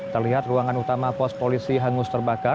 terlihat ruangan utama pos polisi hangus terbakar